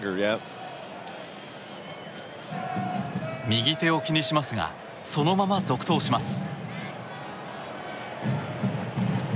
右手を気にしますがそのまま続投します。